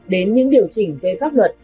đến những điều chỉnh về pháp luật